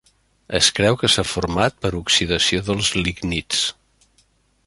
Es creu que s'ha format per oxidació dels lignits.